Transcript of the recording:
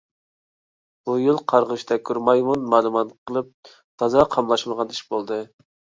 بۇ يىل قارغىش تەگكۈر مايمۇن مالىمان قىلىپ تازا قاملاشمىغان ئىش بولدى.